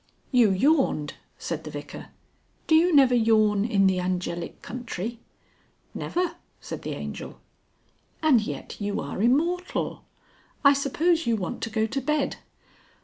"You yawned," said the Vicar. "Do you never yawn in the angelic country?" "Never," said the Angel. "And yet you are immortal! I suppose you want to go to bed."